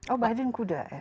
oh biden kuda ya